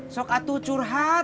sok atu curhat